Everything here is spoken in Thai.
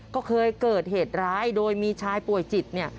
ก็เคยเกิดเหตุร้ายโดยมีชายป่วยจิตเนี่ย